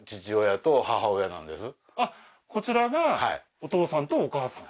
こちらがお父さんとお母さん？